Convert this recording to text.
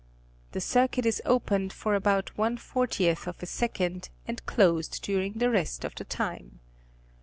The circuit is opened for about one fortieth of a second and closed during the rest of the time.